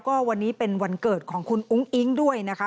ก็วันนี้เป็นวันเกิดของคุณอุ้งอิ๊งด้วยนะคะ